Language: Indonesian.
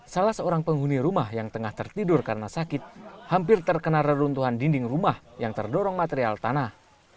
salah seorang penghuni rumah yang tengah tertidur karena sakit hampir terkena reruntuhan dinding rumah yang terdorong material tanah